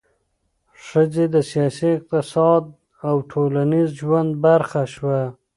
ښځې د سیاسي، اقتصادي او ټولنیز ژوند برخه شوه.